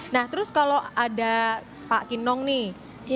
nah terus kalau ada pak kinong nih